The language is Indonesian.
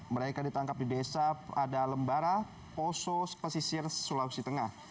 mereka ditangkap di desa ada lembara poso pesisir sulawesi tengah